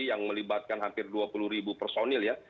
yang melibatkan hampir dua puluh ribu personil ya